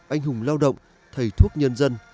anh hùng lao động thầy thuốc nhân dân